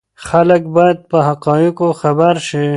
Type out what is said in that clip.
خلک باید په حقایقو خبر شي.